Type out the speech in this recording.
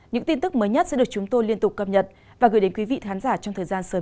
những tin tức mới nhất sẽ được chúng tôi liên tục cập nhật và gửi đến quý vị khán giả trong thời gian sớm